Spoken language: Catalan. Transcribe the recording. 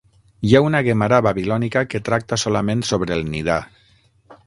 Hi ha una Guemarà babilònica que tracta solament sobre el "Nidà".